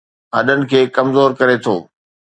هڏن کي ڪمزور ڪري ٿو